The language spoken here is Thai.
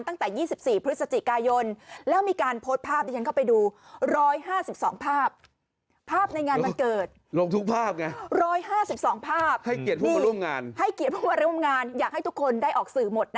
ตั้งแต่๒๔พฤศจิกายนแล้วมีการโพสต์ภาพที่ฉันเข้าไปดู